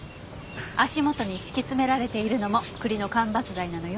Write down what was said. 足元に敷き詰められているのも栗の間伐材なのよ。